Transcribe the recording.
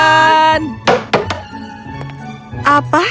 siapa yang mengetuk pintu kamarnya ketika tidak ada seorang pun di rumah